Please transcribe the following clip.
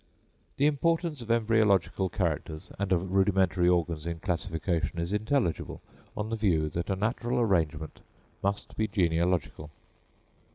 The importance of embryological characters and of rudimentary organs in classification is intelligible, on the view that a natural arrangement must be genealogical.